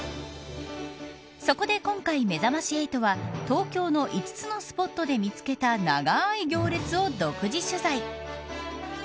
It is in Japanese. そこで今回めざまし８は東京の５つのスポットで見つけた長い行列を独自取材。